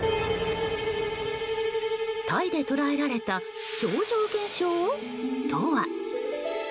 タイで捉えられた超常現象とは？